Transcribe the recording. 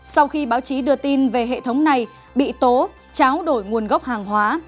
sau khi báo chí đưa tin về hệ thống này bị tố cháo đổi nguồn gốc hàng hóa